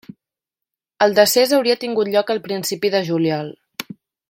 El decés hauria tingut lloc al principi de juliol.